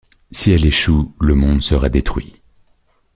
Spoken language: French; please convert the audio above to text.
Si elle échoue, le monde sera détruit.